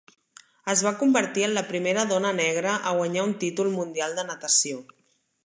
Es va convertir en la primera dona negra a guanyar un títol mundial de natació.